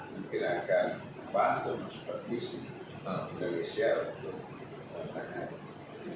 memiliki pantun seperti si indonesia untuk menangani